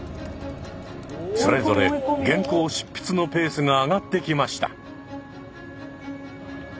それぞれ原稿執筆のペースが上がってきました。